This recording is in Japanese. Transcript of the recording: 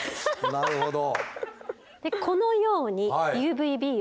なるほど。